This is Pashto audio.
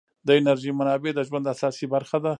د انرژۍ منابع د ژوند اساسي برخه ده.